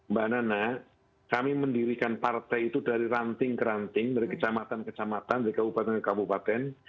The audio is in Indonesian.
mbak nana kami mendirikan partai itu dari ranting ke ranting dari kecamatan kecamatan dari kabupaten ke kabupaten